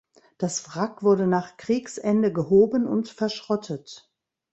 Das Wrack wurde nach Kriegsende gehoben und verschrottet.